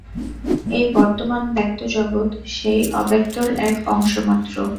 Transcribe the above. এই বর্তমান ব্যক্ত জগৎ সেই অব্যক্তের এক অংশমাত্র।